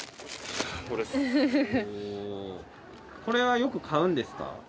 これはよく買うんですか？